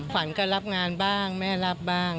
ฝันก็รับงานบ้างแม่รับบ้าง